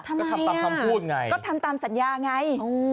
ทำไมล่ะก็ทำตามคำพูดไงก็ทำตามสัญญาไง